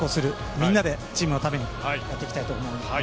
みんなでチームのためにやってきたいと思います。